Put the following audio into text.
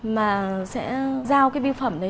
mà sẽ giao cái biêu phẩm đấy